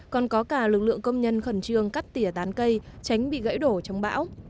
còn có cả lực lượng công nhân khẩn trương cắt tỉa tán cây tránh bị gãy đổ trong bão